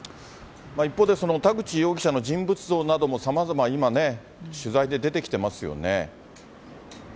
一方で、田口容疑者の人物像などもさまざま、今ね、取材で出てきてますよね。